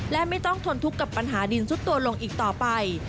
และไม่ต้องทนทุกข์กับปัญหาดินซุดตัวลงอีกต่อไป